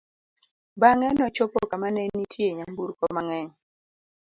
bang'e nochopo kama ne nitie nyamburko mang'eny